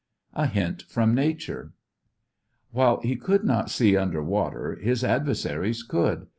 A HINT FROM NATURE While he could not see under water, his adversaries could.